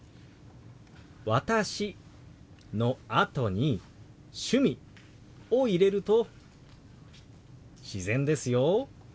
「私」のあとに「趣味」を入れると自然ですよ。